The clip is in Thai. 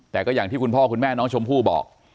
แต่ก็อย่างที่คุณพ่อคุณแม่น้องชมพู่บอก